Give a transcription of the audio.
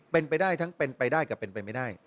เป็นไปได้ทั้งเป็นไปได้กับเป็นไปไม่ได้